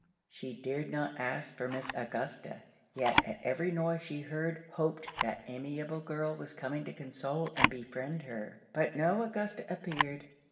She dared not ask for Miss Augusta; yet, at every noise she heard, hoped that amiable girl was coming to console and befriend her. But no Augusta appeared.